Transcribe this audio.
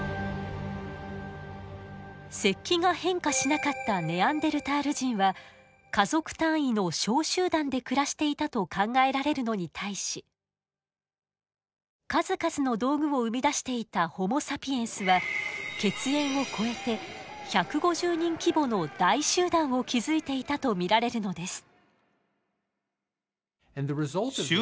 石器が変化しなかったネアンデルタール人は家族単位の小集団で暮らしていたと考えられるのに対し数々の道具を生み出していたホモ・サピエンスは血縁を超えて１５０人規模の大集団を築いていたと見られるのです。